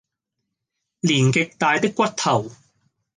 連極大的骨頭，